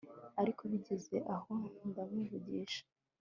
ariko bigeze aho ndamuvugisha